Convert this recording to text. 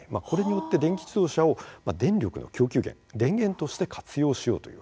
これによって電気自動車を電力の供給源、電源として活用